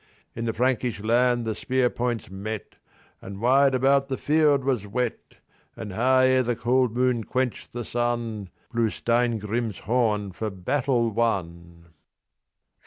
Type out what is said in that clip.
_ In the Frankish land the spear points met, And wide about the field was wet. And high ere the cold moon quenched the sun, Blew Steingrim's horn for battle won.